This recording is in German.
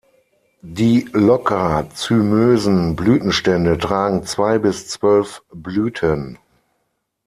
Die locker zymösen Blütenstände tragen zwei bis zwölf Blüten.